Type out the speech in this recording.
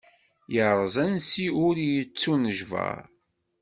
Yerreẓ ansi ur yettunejbar.